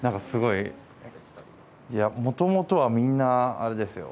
いやもともとはみんなあれですよ